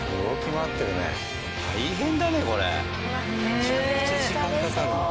めちゃくちゃ時間かかるな。